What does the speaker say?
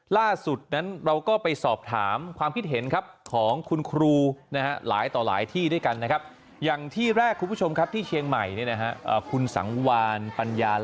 ล่าสุดนั้นเราก็ไปสอบถามความคิดเห็นครับของคุณครูนะฮะหลายต่อหลายที่ด้วยกันนะครับ